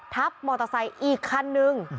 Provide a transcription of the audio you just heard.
ทับมอเตอร์ไซค์อีกคันนึง